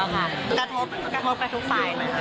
กระทบกระทุกฝ่ายไหมคะ